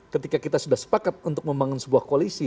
ketika kita sudah sepakat untuk membangun sebuah koalisi